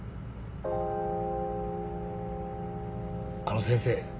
あの先生